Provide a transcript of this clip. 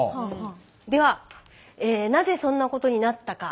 ではなぜそんなことになったか。